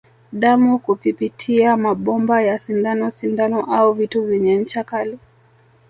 Damu kupipitia mabomba ya sindano sindano au vitu vyenye ncha kali